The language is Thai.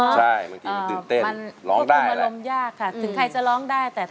จริง